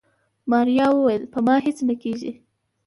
ماريا وويل په ما هيڅ نه کيږي.